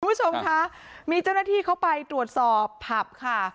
คุณผู้ชมคะมีเจ้าหน้าที่เข้าไปตรวจสอบผับค่ะ